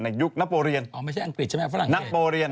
ในยุคนโปเรียน